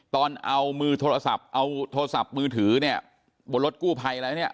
ตอนเอามือโทรศัพท์เอาโทรศัพท์มือถือเนี่ยบนรถกู้ภัยอะไรแล้วเนี่ย